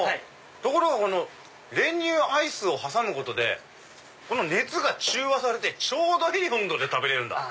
ところがこの練乳アイスを挟むことで熱が中和されてちょうどいい温度で食べれるんだ。